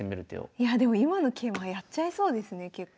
いやあでも今の桂馬はやっちゃいそうですね結構。